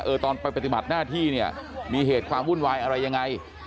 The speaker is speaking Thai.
ตอนไปปฏิบัติหน้าที่เนี่ยมีเหตุความวุ่นวายอะไรยังไง